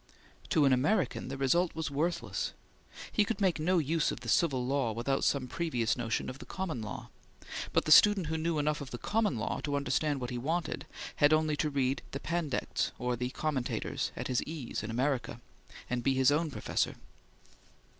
To an American the result was worthless. He could make no use of the Civil Law without some previous notion of the Common Law; but the student who knew enough of the Common Law to understand what he wanted, had only to read the Pandects or the commentators at his ease in America, and be his own professor.